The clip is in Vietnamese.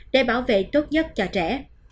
để bảo vệ tốt nhất cho trẻ